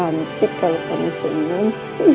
cantik kalau kamu senang